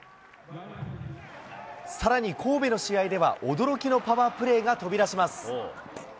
さらに神戸の試合では、驚きのパワープレーが飛び出します。